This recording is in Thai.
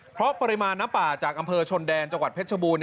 เพราะปริมาณน้ำป่าจากอำเภอชนแดนจังหวัดเพชรบูรณ